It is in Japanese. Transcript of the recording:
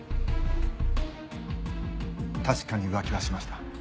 確かに浮気はしました。